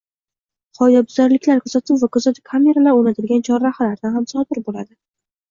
Qoidabuzarliklar kuzatuv va kuzatuv kameralari o'rnatilgan chorrahalarda ham sodir bo'ladi